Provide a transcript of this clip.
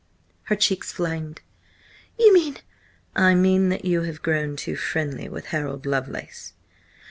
Her cheeks flamed. "You mean—" "I mean that you have grown too friendly with Harold Lovelace."